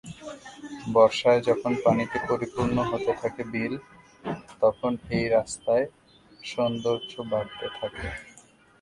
বর্ষায় যখন পানিতে পরিপূর্ণ হতে থাকে বিল, তখন এই রাস্তার সৌন্দর্য বাড়তে থাকে।